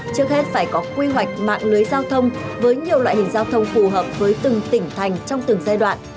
trước hết phải có quy hoạch mạng lưới giao thông với nhiều loại hình giao thông phù hợp với từng tỉnh thành trong từng giai đoạn